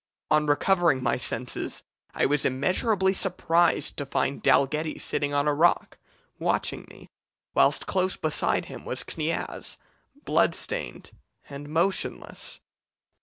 On recovering my senses, I was immeasurably surprised to find Dalghetty sitting on a rock watching me, whilst close beside him was Kniaz, bloodstained and motionless.